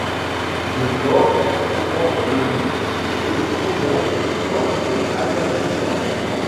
Le corps est fortement velu et couvert de soies et allergisantes.